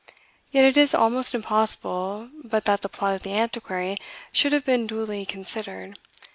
Yet it is almost impossible but that the plot of "The Antiquary" should have been duly considered.